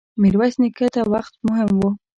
ميرويس نيکه ته وخت مهم و.